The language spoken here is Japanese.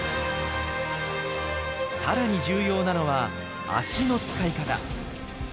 さらに重要なのは脚の使い方。